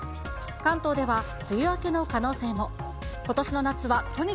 関東では梅雨明けの可能性も。